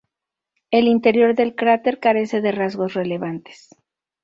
El interior del cráter carece de rasgos relevantes.